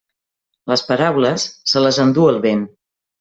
Les paraules, se les endú el vent.